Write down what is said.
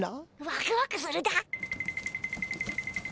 ワクワクするだ。